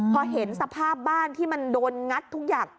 พอเห็นสภาพบ้านที่มันโดนงัดทุกอย่าง